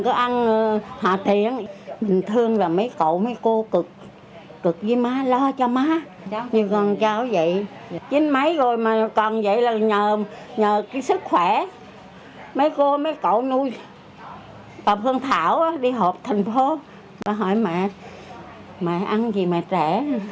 còn vậy là nhờ sức khỏe mấy cô mấy cậu nuôi bà phương thảo đi hộp thành phố bà hỏi mẹ mẹ ăn gì mẹ trẻ